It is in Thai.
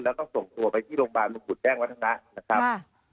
แล้วก็ส่งตัวไปที่โรงพยาบาลมงกุฎแจ้งวัฒนะนะครับ